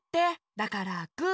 だからグー。